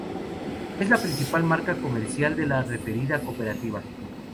Es la principal marca comercial de la referida cooperativa.